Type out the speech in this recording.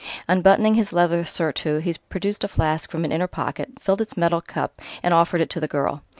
Unbuttoning his leather surtout, he produced a flask from an inner pocket, filled its metal cup, and offered it to the girl.